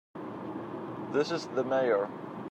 This is the Mayor.